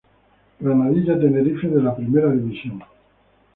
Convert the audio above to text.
Granadilla Tenerife de la Primera División.